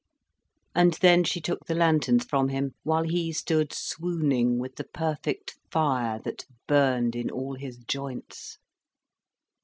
And then she took the lanterns from him, while he stood swooning with the perfect fire that burned in all his joints.